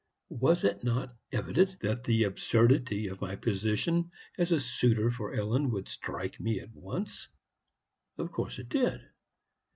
Was it not evident that the absurdity of my position as a suitor for Ellen would strike me at once? Of course it did.